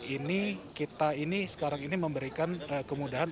ini kita ini sekarang ini memberikan kemudahan